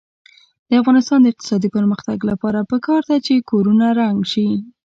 د افغانستان د اقتصادي پرمختګ لپاره پکار ده چې کورونه رنګ شي.